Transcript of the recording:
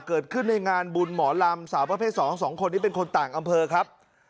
เกิดขึ้นในงานบุญหมอลำสาวประเภท๒สองคนนี้เป็นคนต่างอำเภอครับ